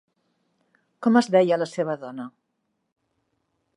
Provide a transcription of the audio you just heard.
Com es deia la seva dona?